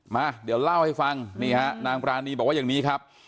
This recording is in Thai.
มาเดี๋ยวเล่าให้ฟังนี่ฮะนางปรานีบอกว่าอย่างนี้ครับ